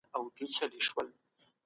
هغه کیسې چي ما لوستلې خورا اوږدې وې.